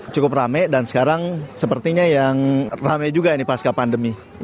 cukup rame dan sekarang sepertinya yang rame juga ini pasca pandemi